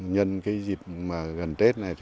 nhân dịp gần tết này